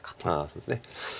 そうですね。